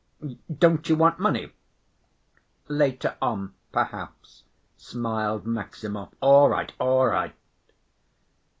Don't you want money?" "Later on, perhaps," smiled Maximov. "All right, all right...."